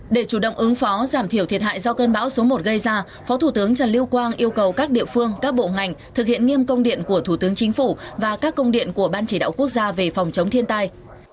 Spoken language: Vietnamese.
để chủ động ứng phó giảm thiểu thiệt hại do cơn bão số một gây ra phó thủ tướng trần lưu quang yêu cầu các địa phương các bộ ngành thực hiện nghiêm công điện của thủ tướng chính phủ và các công điện của ban chỉ đạo quốc gia về phòng chống thiên tai